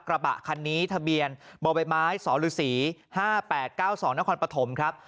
กระบะคันนี้ทะเบียนบมสฤ๕๘๙๒นปฐครับ